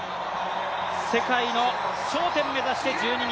世界の頂点目指して１２人。